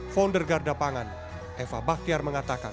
founder garda pangan eva baktiar mengatakan